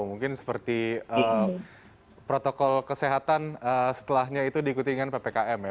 mungkin seperti protokol kesehatan setelahnya itu diikuti dengan ppkm ya